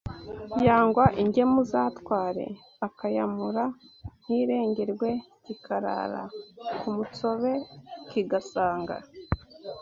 yangwa ingemu z’atware akayamura ntiirengerwe Kikarara ku Mutsobe Kigasanga